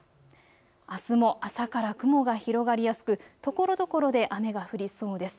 あすも朝から雲が広がりやすくところどころで雨が降りそうです。